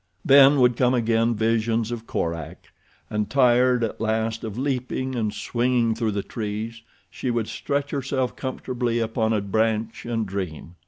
Then would come again visions of Korak, and, tired at last of leaping and swinging through the trees, she would stretch herself comfortably upon a branch and dream.